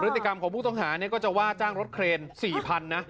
ติกรรมของผู้ต้องหาก็จะว่าจ้างรถเครน๔๐๐๐นะ